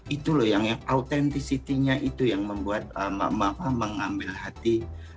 itu loh yang autentisitinya itu yang membuat mengambil hati